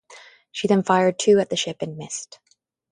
She then fired two at the ship and missed.